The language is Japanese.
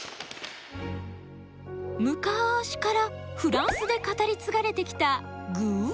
むかしからフランスで語り継がれてきたグぅ！